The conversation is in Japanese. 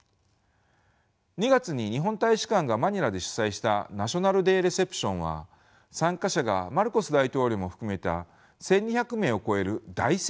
２月に日本大使館がマニラで主催したナショナルデーレセプションは参加者がマルコス大統領も含めた１，２００名を超える大盛況でした。